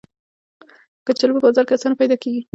کچالو په بازار کې آسانه پیدا کېږي